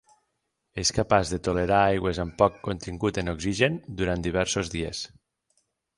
És capaç de tolerar aigües amb poc contingut en oxigen durant diversos dies.